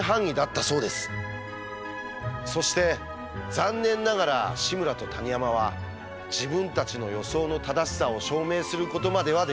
そして残念ながら志村と谷山は自分たちの予想の正しさを証明することまではできませんでした。